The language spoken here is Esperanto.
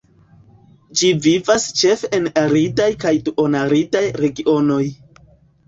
Ĝi vivas ĉefe en aridaj kaj duon-aridaj regionoj.